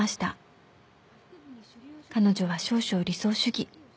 彼女は少々理想主義。